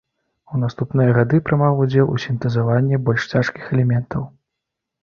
У наступныя гады прымаў удзел у сінтэзаванні больш цяжкіх элементаў.